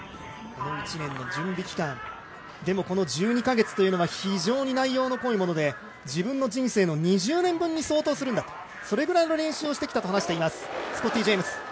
この一年の準備期間１２カ月というのは非常に内容の濃いもので、自分の人生の２０年分に相当するんだとそれぐらいの練習をしてきたと話しています、スコッティ・ジェームズ。